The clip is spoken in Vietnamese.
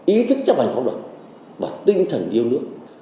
ý thức chấp hành pháp luật và tinh thần yêu nước